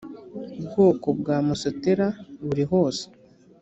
bwoko bwa masotera buri hose